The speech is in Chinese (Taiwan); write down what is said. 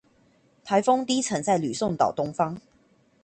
颱風低層在呂宋島東方